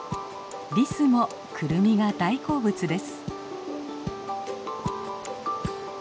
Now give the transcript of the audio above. リスもクルミが大好物です。